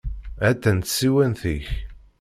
Ha-tt-an tsiwant-ik.